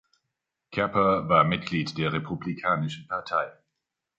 Capper war Mitglied der Republikanischen Partei.